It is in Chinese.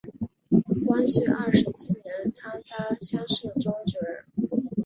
光绪二十七年参加乡试中举人。